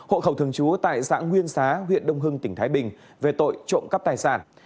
hộ khẩu thường trú tại xã nguyên xá huyện đông hưng tỉnh thái bình về tội trộm cắp tài sản